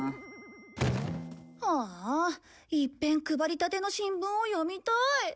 ああ一遍配りたての新聞を読みたい！